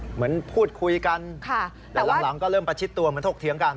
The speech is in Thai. เหมือนพูดคุยกันแต่หลังก็เริ่มประชิดตัวเหมือนถกเถียงกัน